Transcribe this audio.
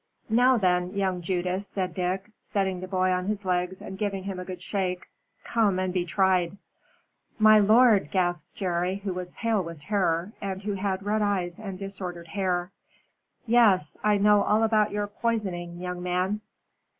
"Now then, young Judas," said Dick, setting the boy on his legs and giving him a good shake. "Come and be tried." "My lord," gasped Jerry, who was pale with terror, and who had red eyes and disordered hair. "Yes! I know all about your poisoning, young man."